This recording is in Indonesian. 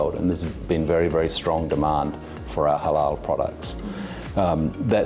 dan ada kebutuhan yang sangat kuat untuk produk halal kita